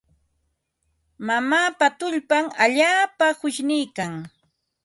Mamaapa tullpan allaapa qushniikan.